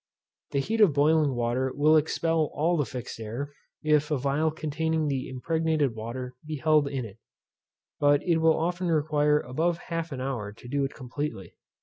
The heat of boiling water will expel all the fixed air, if a phial containing the impregnated water be held in it; but it will often require above half an hour to do it completely.